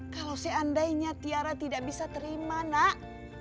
kalau seandainya tiara tidak bisa terima nak